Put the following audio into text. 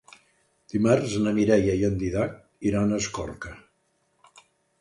Dimarts na Mireia i en Dídac iran a Escorca.